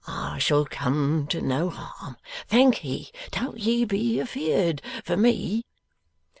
I shall come to no harm. Thankye. Don't ye be afeard for me.